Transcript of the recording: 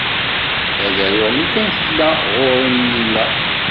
Ad aruɣ lukan tella ɣur-i nnila.